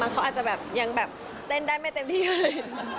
เขาอาจจะแบบยังแบบเต้นได้ไม่เต็มที่เลย